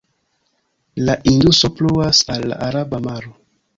La Induso pluas al la Araba Maro.